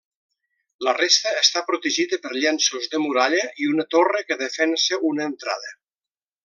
La resta està protegida per llenços de muralla i una torre que defensa una entrada.